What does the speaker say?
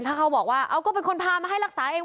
ถ้าเขาบอกว่าเอาก็เป็นคนพามาให้รักษาเอง